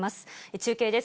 中継です。